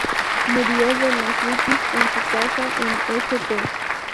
Murió de nefritis en su casa en St.